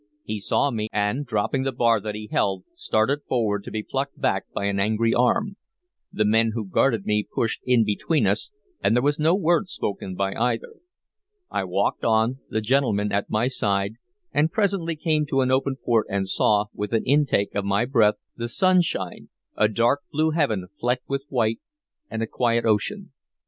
He saw me, and, dropping the bar that he held, started forward, to be plucked back by an angry arm. The men who guarded me pushed in between us, and there was no word spoken by either. I walked on, the gentleman at my side, and presently came to an open port, and saw, with an intake of my breath, the sunshine, a dark blue heaven flecked with white, and a quiet ocean.